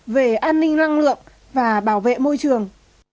về an ninh năng lượng và bảo vệ môi trường